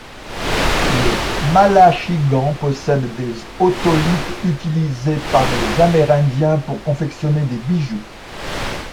Le malachigan possède des otolithes utilisés par les Amérindiens pour confectionner des bijoux.